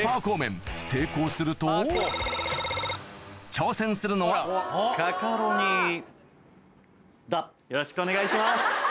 挑戦するのはよろしくお願いします。